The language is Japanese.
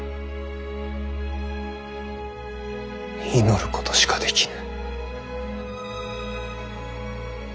祈ることしかできぬ。